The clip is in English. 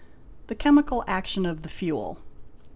The chemical action of the fuel.